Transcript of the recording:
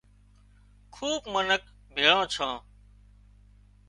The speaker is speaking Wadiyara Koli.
خوٻ منک ڀِيۯان ڇان